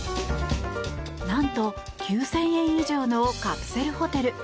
なんと９０００円以上のカプセルホテル。